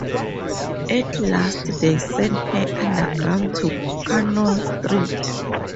At last they sent her underground to Cannon Street.